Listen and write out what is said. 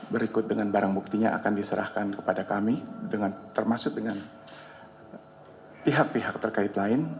berikut dengan barang buktinya akan diserahkan kepada kami termasuk dengan pihak pihak terkait lain